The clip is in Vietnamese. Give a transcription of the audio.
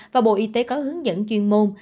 và bộ y tế có hướng dẫn chuyên môn